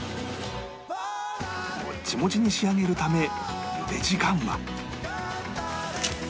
もっちもちに仕上げるため茹で時間は